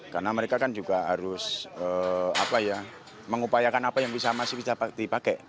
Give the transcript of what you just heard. karena mereka kan juga harus mengupayakan apa yang masih bisa dipakai